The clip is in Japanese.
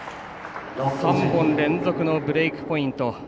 ３本連続のブレークポイント。